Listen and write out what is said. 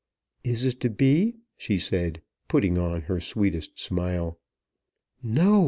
"Is it to be?" she said, putting on her sweetest smile. "No!"